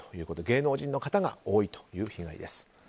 芸能人の方が多いということです。